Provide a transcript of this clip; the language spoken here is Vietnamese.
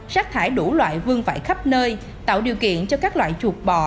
rác thải đủ loại vương phải khắp nơi tạo điều kiện cho các loại chuột bò